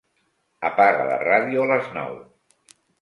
Apaga la ràdio a les nou.